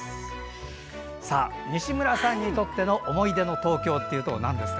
西村さんにとっての思い出の東京はなんですか？